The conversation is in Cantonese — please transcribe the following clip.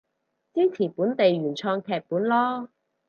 支持本地原創劇本囉